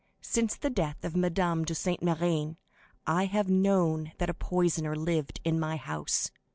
Since the death of Madame de Saint Méran, I have known that a poisoner lived in my house.